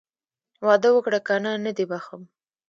واده وکړه که نه نه دې بښم.